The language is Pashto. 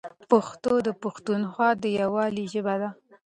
پښتو د پښتنو د یووالي ژبه ده.